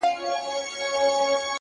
عاجزي د سترتوب نرم لباس دی,